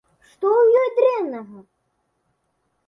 Што ў ёй дрэннага?